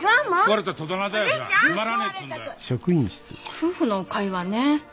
夫婦の会話ねえ。